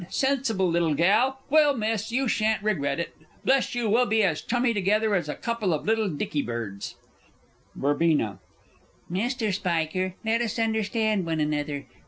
Sensible little gal! Well, Miss, you shan't regret it. Bless you, we'll be as chummy together as a couple of little dicky birds. Verb. Mr. Spiker, let us understand one another.